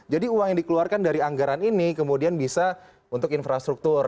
jadi uang yang dikeluarkan dari anggaran ini kemudian bisa untuk infrastruktur